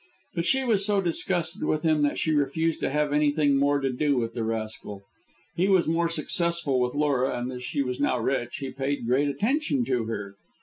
But she was so disgusted with him that she refused to have anything more to do with the rascal. He was more successful with Laura, and as she was now rich, he paid great attention to her.